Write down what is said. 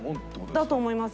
だと思います。